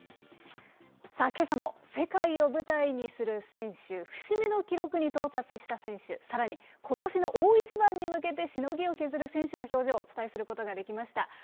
さあ、けさも世界を舞台にする選手、節目の記録に到達した選手、さらにことしの大一番に向けてしのぎを削る選手たちの表情をお伝えすることができました。